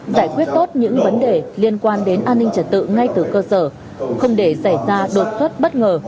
giải quyết tốt những vấn đề liên quan đến an ninh trật tự ngay từ cơ sở không để xảy ra đột xuất bất ngờ